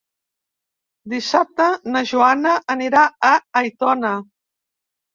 Dissabte na Joana anirà a Aitona.